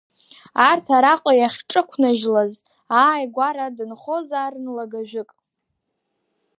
Арҭ араҟа иахьҿықәнажьлаз ааигәара дынхозаарын лыгажәык.